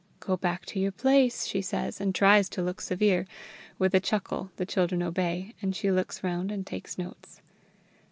"Go back to your place!" she says, and tries to look severe; with a chuckle the children obey, and she looks round and takes notes.